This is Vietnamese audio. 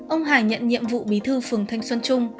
ông hải nhận nhiệm vụ bí thư phường thanh xuân trung